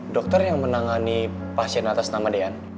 dokter yang menangani pasien atas nama dean